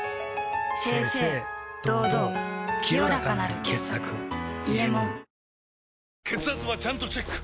清々堂々清らかなる傑作「伊右衛門」血圧はちゃんとチェック！